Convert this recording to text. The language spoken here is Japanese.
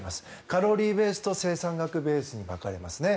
カロリーベースと生産額ベースに分かれますね。